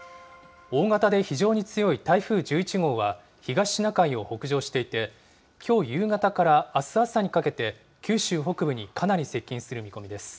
大型で非常に強い台風１１号は、東シナ海を北上していて、きょう夕方からあす朝にかけて、九州北部にかなり接近する見込みです。